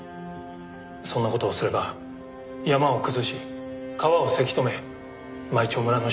そんな事をすれば山を崩し川をせき止め舞澄村の自然を壊す事になる。